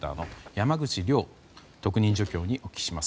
山口亮特任助教にお聞きします。